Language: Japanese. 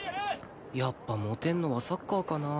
やっぱモテんのはサッカーかな